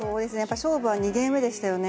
勝負は２ゲーム目でしたよね。